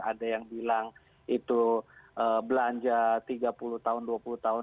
ada yang bilang itu belanja tiga puluh tahun dua puluh tahun